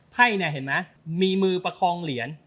ไพ่เนี่ยเห็นไหมมีมือประคองเหรียญ